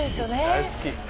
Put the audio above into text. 大好き。